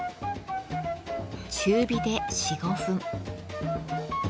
中火で４５分。